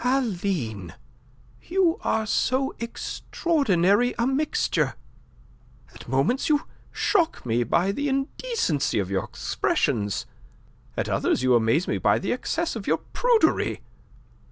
"Aline, you are so extraordinary a mixture. At moments you shock me by the indecency of your expressions; at others you amaze me by the excess of your prudery.